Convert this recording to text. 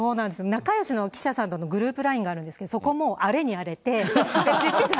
仲よしの記者さんとのグループＬＩＮＥがあるんですけれども、そこも荒れに荒れて、知ってた？